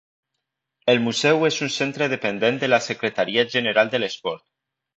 El Museu és un centre dependent de la Secretaria General de l'Esport.